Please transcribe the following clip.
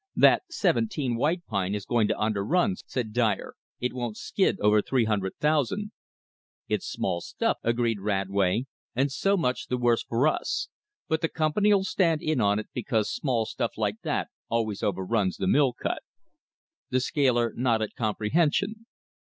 "That 'seventeen' white pine is going to underrun," said Dyer. "It won't skid over three hundred thousand." "It's small stuff," agreed Radway, "and so much the worse for us; but the Company'll stand in on it because small stuff like that always over runs on the mill cut." The scaler nodded comprehension.